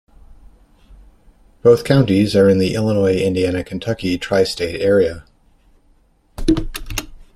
Both Counties are in the Illinois-Indiana-Kentucky Tri-State Area.